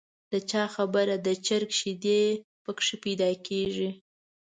د چا خبره د چرګ شیدې په کې پیدا کېږي.